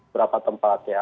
berapa tempat ya